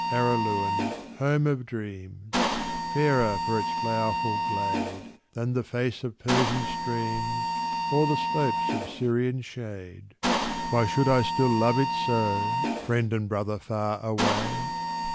Araluen home of dreams, Fairer for its flowerful glade Than the face of Persian streams Or the slopes of Syrian shade; Why should I still love it so, Friend and brother far away?